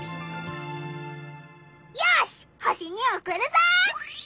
よし星におくるぞ！